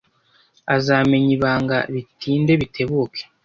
Azamenya ibanga bitinde bitebuke.